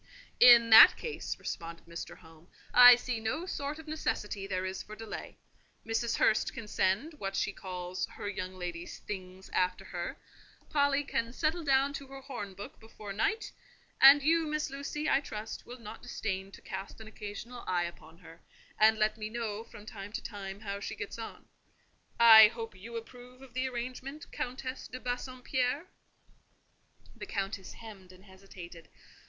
"In that case," responded Mr. Home, "I see no sort of necessity there is for delay. Mrs. Hurst can send what she calls her young lady's 'things' after her; Polly can settle down to her horn book before night; and you, Miss Lucy, I trust, will not disdain to cast an occasional eye upon her, and let me know, from time to time, how she gets on. I hope you approve of the arrangement, Countess de Bassompierre?" The Countess hemmed and hesitated.